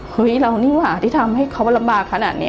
เฮ้ยเรานี่หว่าที่ทำให้เขาลำบากขนาดนี้